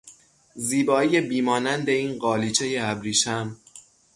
زیبایی بیمانند این قالیچهی ابریشم